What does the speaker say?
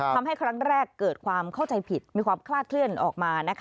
ทำให้ครั้งแรกเกิดความเข้าใจผิดมีความคลาดเคลื่อนออกมา